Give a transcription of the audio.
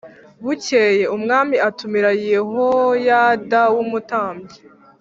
Bukeye umwami atumira Yehoyada w umutambyi